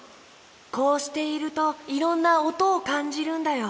こうしているといろんなおとをかんじるんだよ。